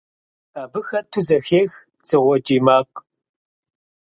Абы хэту зэхех дзыгъуэ кӀий макъ.